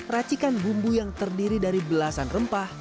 racikan bumbu yang terdiri dari belasan rempah